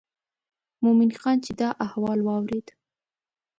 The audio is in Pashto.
مومن خان چې دا احوال واورېد.